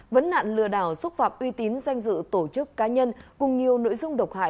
vấn nạn lừa đảo xúc phạm uy tín danh dự tổ chức cá nhân cùng nhiều nội dung độc hại